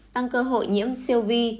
tăng cơ hội nhiễm siêu vi